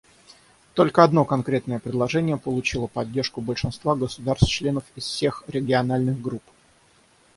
Только одно конкретное предложение получило поддержку большинства государств-членов из всех региональных групп.